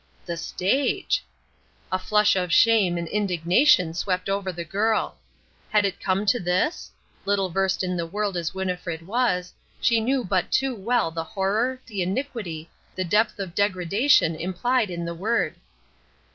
The stage! A flush of shame and indignation swept over the girl. Had it come to this? Little versed in the world as Winnifred was, she knew but too well the horror, the iniquity, the depth of degradation implied in the word.